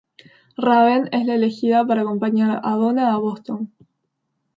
Raven es la elegida para acompañar a Donna a Boston.